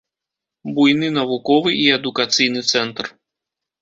Буйны навуковы і адукацыйны цэнтр.